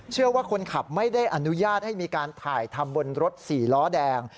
ว่าคนขับไม่ได้อนุญาตให้มีการถ่ายทำบนรถสี่ล้อแดง